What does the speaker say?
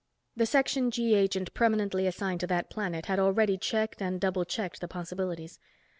The Section G agent permanently assigned to that planet had already checked and double checked the possibilities.